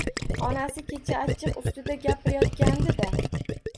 Onasi kecha achchiq ustida gapirayotgandi-da